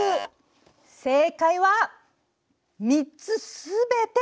正解は３つ全てでした。